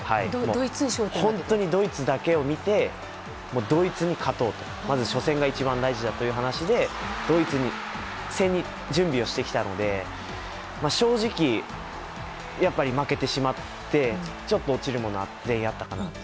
本当にドイツだけを見てドイツに勝とう、初戦がまず一番大事だという話でドイツ戦に準備をしてきたので正直、負けてしまってちょっと落ちるものは全員、あったかなと。